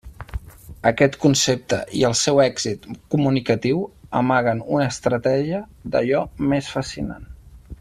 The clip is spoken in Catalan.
Aquest concepte i el seu èxit comunicatiu amaguen una estratègia d'allò més fascinant.